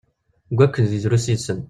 Deg wakken deg drus yid-sen.